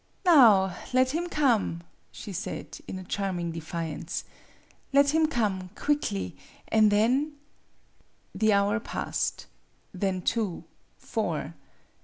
"Now let him come," she said, in a charming defiance '' let him come quickly an' then " The hour passed. Then two four.